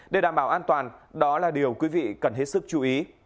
để đảm bảo an toàn đó là điều quý vị cần hết sức chú ý